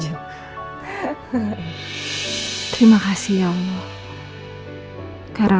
karena engkau memberikan suami seorang perempuan